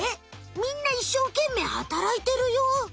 みんないっしょうけんめい働いてるよ！